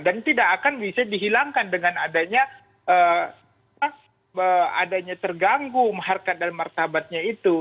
dan tidak akan bisa dihilangkan dengan adanya terganggu harkat dan martabatnya itu